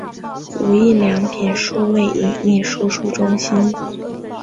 无印良品数位影印输出中心